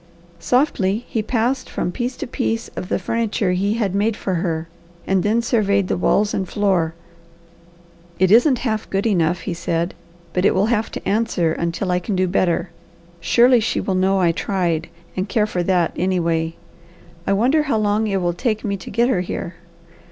Softly he passed from piece to piece of the furniture he had made for her, and then surveyed the walls and floor. "It isn't half good enough," he said, "but it will have to answer until I can do better. Surely she will know I tried and care for that, anyway. I wonder how long it will take me to get her here.